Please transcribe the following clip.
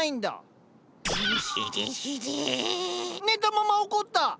寝たまま怒った！